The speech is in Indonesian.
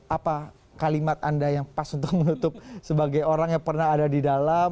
apa kalimat anda yang pas untuk menutup sebagai orang yang pernah ada di dalam